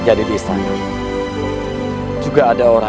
jadi tinggal ber siegeit comanku